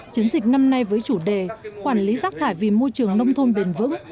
chiến dịch năm nay với chủ đề quản lý rác thải vì môi trường nông thôn bền vững